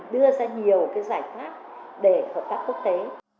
đưa ra nhiều giải pháp để hợp tác quốc tế